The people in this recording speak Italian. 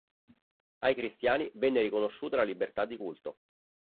Ai cristiani venne riconosciuta la libertà di culto.